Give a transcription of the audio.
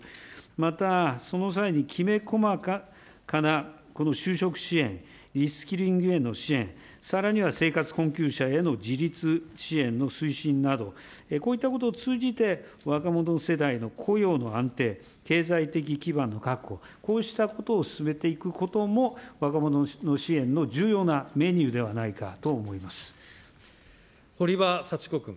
また、その際にきめ細かなこの就職支援、リスキリングへの支援、さらには生活困窮者への自立支援の推進など、こういったことを通じて、若者世代の雇用の安定、経済的基盤の確保、こうしたことを進めていくことも、若者の支援の重要なメニューでは堀場幸子君。